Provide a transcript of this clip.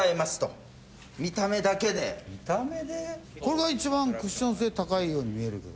これが一番クッション性高いように見えるけど。